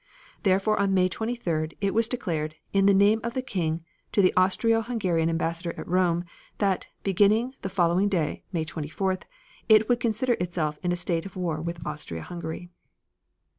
Therefore, on May 23d, it was declared, in the name of the King, to the Austro Hungarian Ambassador at Rome, that, beginning the following day, May 24th, it would consider itself in a state of war with Austria Hungary."